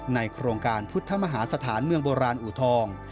โครงการพุทธมหาสถานเมืองโบราณอูทอง